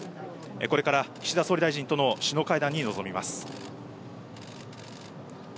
これから、岸田総理大臣との首脳会談に臨みます。